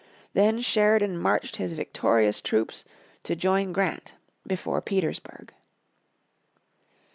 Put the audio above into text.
Then Sheridan marched his victorious troops to join Grant before Petersburg.